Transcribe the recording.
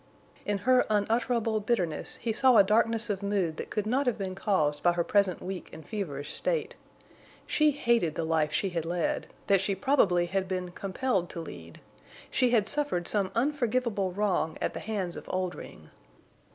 In her unutterable bitterness he saw a darkness of mood that could not have been caused by her present weak and feverish state. She hated the life she had led, that she probably had been compelled to lead. She had suffered some unforgivable wrong at the hands of Oldring.